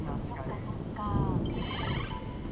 そっかそっか。